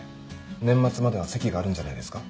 年末までは籍があるんじゃないですか？